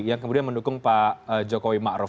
yang kemudian mendukung pak jokowi ma'ruf